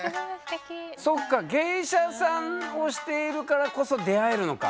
そっか芸者さんをしているからこそ出会えるのか。